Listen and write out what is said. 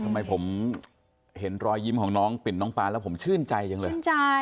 ทำไมผมเห็นรอยยิ้มของน้องปิ่นน้องปานแล้วผมชื่นใจจังเลย